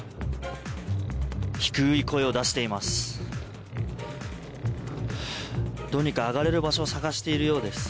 低い声を出しています。